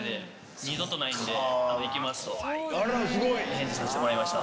返事させてもらいました。